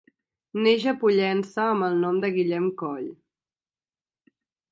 Neix a Pollença amb el nom de Guillem Coll.